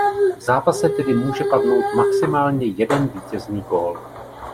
V zápase tedy může padnout maximálně jeden vítězný gól.